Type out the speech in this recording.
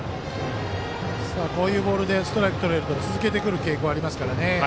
こういうボールでストライクをとれると続けてくる傾向がありますからね。